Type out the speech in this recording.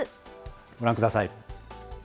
ご覧ください。